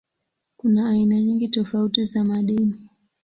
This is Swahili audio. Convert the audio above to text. Kuna aina nyingi tofauti za madini.